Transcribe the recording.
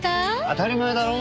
当たり前だろ。